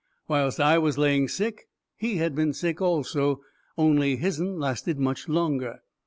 Whilst I was laying sick he had been sick also, only his'n lasted much longer.